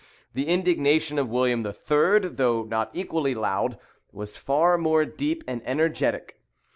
The indignation of William III., though not equally loud, was far more deep and energetic.